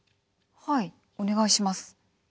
はいお願いします。